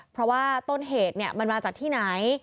เพราะว่าต้นเหตุมันมาจากที่ไหน